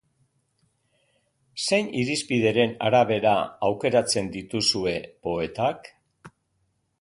Zein irizpideren arabera aukeratzen dituzue poetak?